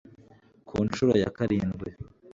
ku ncuro ya karindwi